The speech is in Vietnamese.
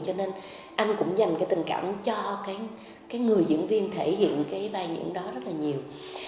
cho nên anh cũng dành cái tình cảm cho cái người diễn viên thể hiện cái vai diễn đó rất là nhiều